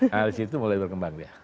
nah disitu mulai berkembang dia